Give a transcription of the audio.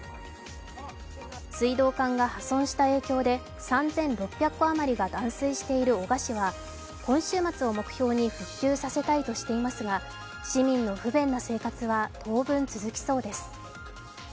水道管が破損した影響で３６００戸余りが断水している男鹿市は今週末を目標に復旧させたいとしていますが、市民の不便な生活は当分続きそうです。